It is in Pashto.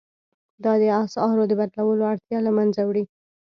دا د اسعارو د بدلولو اړتیا له مینځه وړي.